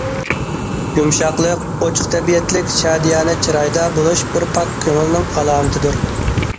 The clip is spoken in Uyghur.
يۇمشاقلىق، ئوچۇق تەبىئەتلىك، شادىيانە چىرايدا بولۇش بىر پاك كۆڭۈلنىڭ ئالامىتىدۇر.